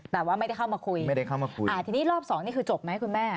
แต่ว่าไม่ได้เข้ามาคุยทีนี้รอบสองนี่คือจบไหมคุณแม่